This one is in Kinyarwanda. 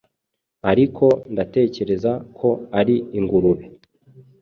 Ariko, ndatekereza ko ari ingurube.